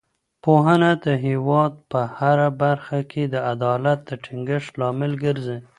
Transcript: پوهنه د هېواد په هره برخه کې د عدالت د ټینګښت لامل ګرځي.